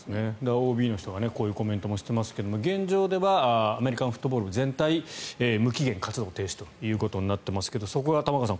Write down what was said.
ＯＢの人がこういうコメントもしていますが現状ではアメリカンフットボール部全体無期限活動停止ということになっていますがそこが玉川さん